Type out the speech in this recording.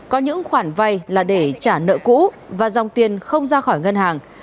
các khoản vai là để trả nợ cũ và dòng tiền không ra khỏi ngân hàng